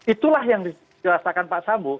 itulah yang dijelaskan pak sambo